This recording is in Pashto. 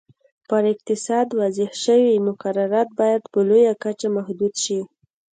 پر اقتصاد وضع شوي مقررات باید په لویه کچه محدود شي.